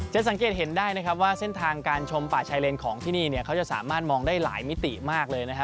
สังเกตเห็นได้นะครับว่าเส้นทางการชมป่าชายเลนของที่นี่เนี่ยเขาจะสามารถมองได้หลายมิติมากเลยนะฮะ